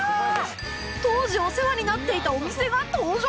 当時お世話になっていたお店が登場